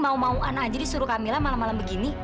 mau mauan aja disuruh kamilah malam malam begini